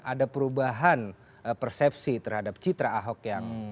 ada perubahan persepsi terhadap citra ahok yang